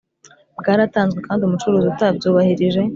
bwaratanzwe kandi umucuruzi utabyubahirije